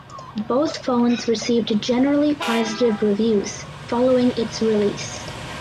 Both phones received generally positive reviews following its release.